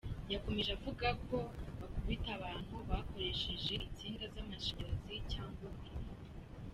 Yakomeje avuga ko “Bakubita abantu bakoresheje insinga z’amashanyarazi cyangwa ubuhiri.